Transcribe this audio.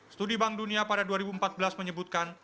studi bank dunia pada dua ribu empat belas menyebutkan